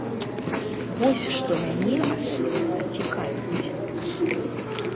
Вось, што мяне асабіста цікавіць.